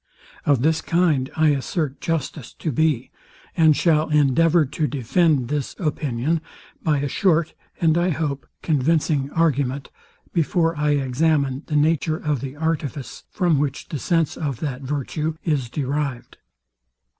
Of this kind I assert justice to be; and shall endeavour to defend this opinion by a short, and, I hope, convincing argument, before I examine the nature of the artifice, from which the sense of that virtue is derived.